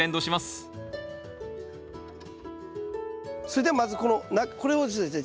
それではまずこれをですね